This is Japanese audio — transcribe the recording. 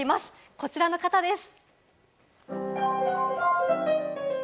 こちらの方です。